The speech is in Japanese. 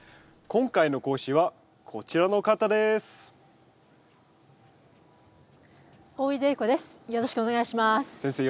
今回の講師はこちらの方です。